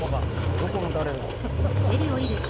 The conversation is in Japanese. どこの誰だ。